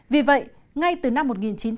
vì vậy ngay từ năm một nghìn chín trăm bốn mươi ba